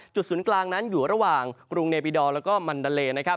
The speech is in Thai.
จุดศูนย์กลางนั้นอยู่ระหว่างกรุงเนปิดอลและมันดาเล